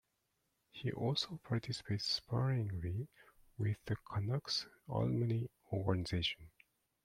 He also participates sparingly with the Canucks' alumni organization.